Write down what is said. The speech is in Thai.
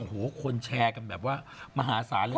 โอ้โหคนแชร์กันแบบว่ามหาศาลเลย